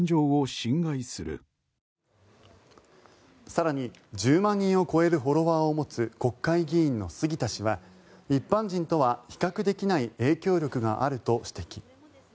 更に、１０万人を超えるフォロワーを持つ国会議員の杉田氏は一般人とは比較できない影響力があると指摘。